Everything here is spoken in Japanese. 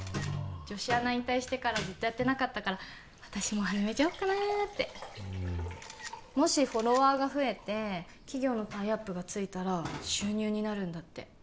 女子アナ引退してからずっとやってなかったから私も始めちゃおっかなってもしフォロワーが増えて企業のタイアップがついたら収入になるんだって